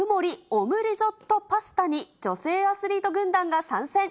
オムリゾットパスタに女性アスリート軍団が参戦。